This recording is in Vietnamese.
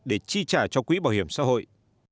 để chi trả cho quỹ bảo hiểm xã hội